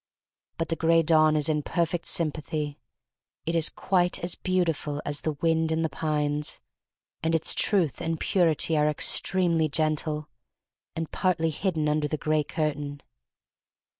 But the Gray Dawn is in perfect sym pathy. It is quite as beautiful as the wind in the pines, and its truth and purity are extremely gentle, and partly hidden under the gray curtain.